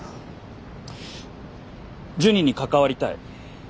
ジュニに関わりたい。